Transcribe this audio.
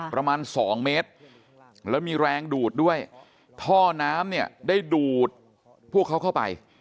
ประมาณสองเมตรแล้วมีแรงดูดด้วยท่อน้ำเนี่ยได้ดูดพวกเขาเข้าไป